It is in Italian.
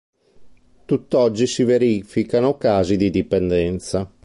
Tutt'oggi si verificano casi di dipendenza.